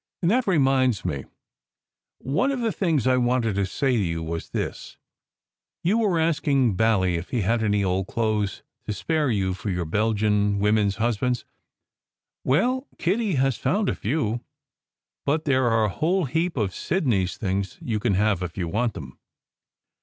And that reminds me: one of the things I wanted to say to you was this: you were asking Bally if he had any old clothes to spare you for your Belgian women s husbands. Well, Kitty has found a few, but there are a whole heap of Sidney s things you can have if you want them.